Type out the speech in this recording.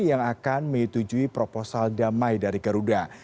yang akan menyetujui proposal damai dari garuda